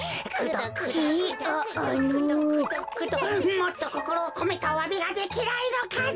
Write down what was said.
もっとこころをこめたおわびができないのかね？